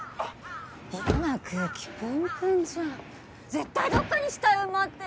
嫌な空気プンプンじゃん絶対どっかに死体埋まってるよ。